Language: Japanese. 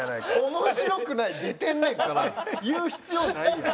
「面白くない」出てんねんから言う必要ないやん。